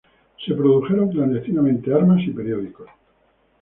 Se produjeron clandestinamente armas y periódicos.